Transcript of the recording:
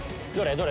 どれ？